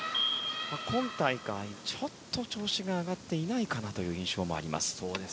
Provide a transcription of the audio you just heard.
今大会ちょっと調子が上がっていないかという印象もあります。